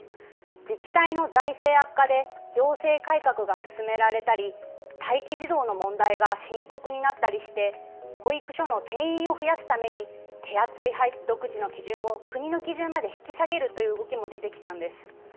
自治体の財政悪化で行政改革が進められたり待機児童の問題が深刻になったりして保育所の定員を増やすために手厚い独自の基準を国の基準まで引き下げるという動きも出てきたんです。